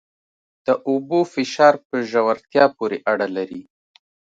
د اوبو فشار په ژورتیا پورې اړه لري.